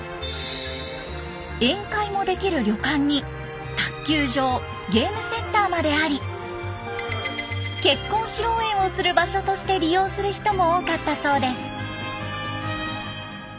宴会もできる旅館に卓球場ゲームセンターまであり結婚披露宴をする場所として利用する人も多かったそうです。